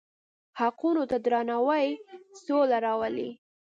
حقونو ته درناوی سوله راولي.